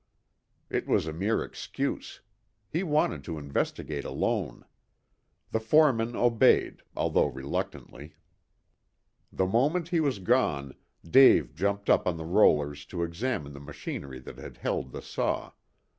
It was a mere excuse. He wanted to investigate alone. The foreman obeyed, although reluctantly. The moment he was gone, Dave jumped up on the rollers to examine the machinery that had held the saw.